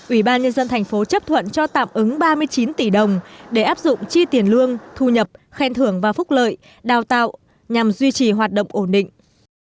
ủy ban nhân dân thành phố chấp thuận cho tạm ứng ba mươi chín tỷ đồng để áp dụng chi tiền lương thu nhập khen thưởng và phúc lợi đào tạo nhằm duy trì hoạt động ổn định